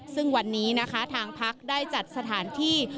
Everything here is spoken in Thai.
ซึ่งวันนี้นะคะทางพักได้จัดสถานที่